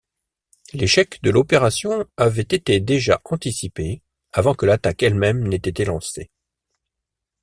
L'échec de l'opération avait été déjà anticipé avant que l'attaque elle-même n'ait été lancée.